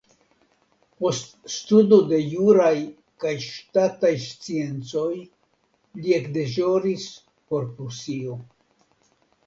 Post studo de juraj kaj ŝtataj sciencoj li ekdeĵoris por Prusio.